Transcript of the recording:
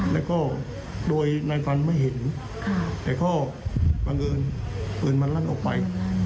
แล้วก็โดยนายฟันไม่เห็นแต่ก็บังเอิญปืนมันลั่นออกไป